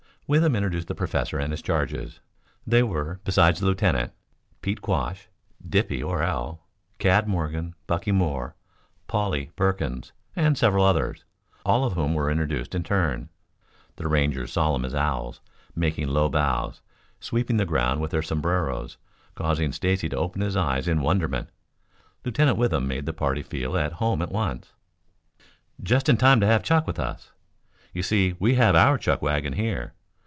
Withem introduced the professor and his charges. There were, besides the Lieutenant, Pete Quash, "Dippy" Orell, Cad Morgan, Bucky Moore, "Polly" Perkins and several others, all of whom were introduced in turn, the Rangers solemn as owls, making low bows, sweeping the ground with their sombreros, causing Stacy to open his eyes in wonderment. Lieutenant Withem made the party feel at home at once. "Just in time to have chuck with us. You see we have our chuck wagon here.